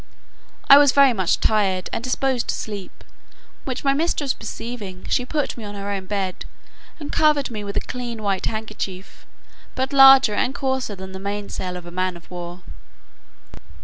I was very much tired, and disposed to sleep, which my mistress perceiving, she put me on her own bed, and covered me with a clean white handkerchief, but larger and coarser than the mainsail of a man of war.